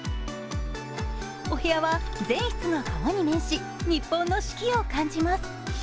お部屋は、全室が川に面し日本の四季を感じます。